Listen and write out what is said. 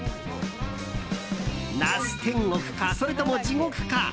ナス天国か、それとも地獄か。